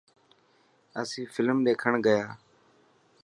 اسين فلم ڏيکڻ گيا.